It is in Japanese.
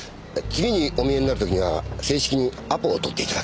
次にお見えになる時には正式にアポを取って頂ければ。